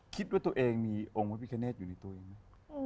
คิดว่าตัวเองมีองค์พระพิคเนตอยู่ในตัวเองไหม